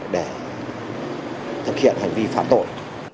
để thực hiện hành vi phạm tội